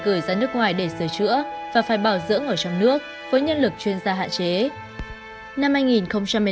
máy bay gửi ra nước ngoài để sửa chữa và phải bảo dưỡng ở trong nước với nhân lực chuyên gia hạn chế